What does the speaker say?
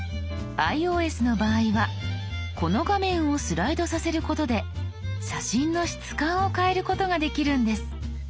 ｉＯＳの場合はこの画面をスライドさせることで写真の質感を変えることができるんです。